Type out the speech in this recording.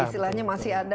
istilahnya masih ada